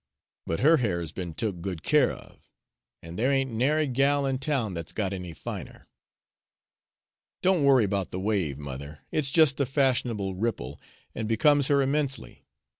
But her hair's be'n took good care of, an' there ain't nary gal in town that's got any finer." "Don't worry about the wave, mother. It's just the fashionable ripple, and becomes her immensely.